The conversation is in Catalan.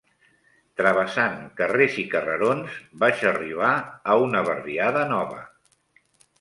Travessant carrers i carrerons, vaig arribar a una barriada nova